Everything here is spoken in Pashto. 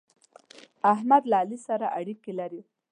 احمد له علي سره اړېکې لري.